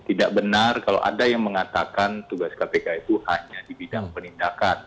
tidak benar kalau ada yang mengatakan tugas kpk itu hanya di bidang penindakan